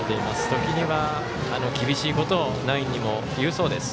時には、厳しいことをナインにも言うそうです。